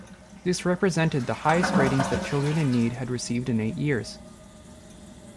This represented the highest ratings that Children in Need had received in eight years.